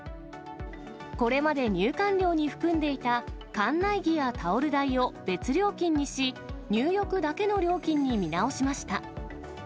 これまで入館料に含んでいた館内着やタオル代を、別料金にし、入浴だけの料金に見直しました。